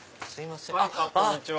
こんにちは。